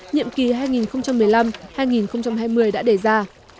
nhiệm kỳ hai nghìn một mươi năm hai nghìn hai mươi đã đề ra